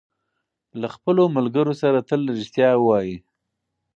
له خپلو ملګرو سره تل رښتیا ووایئ.